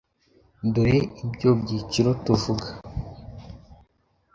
Dore ibyo byiciro tuvuga